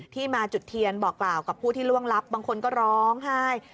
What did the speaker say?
มาจุดเทียนบอกกล่าวกับผู้ที่ล่วงลับบางคนก็ร้องไห้